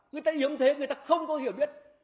người ta hiếm thế người ta không có hiểu biết